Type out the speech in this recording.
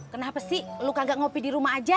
kenapa sih lu kagak ngopi di rumah aja